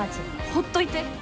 ほっといて。